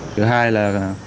thứ hai là